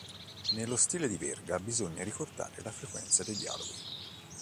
Nello stile di Verga bisogna ricordare la frequenza dei dialoghi.